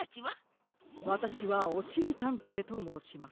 わたしはおしりたんていともうします。